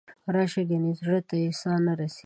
راشه ګنې زړه ته یې ساه نه رسي.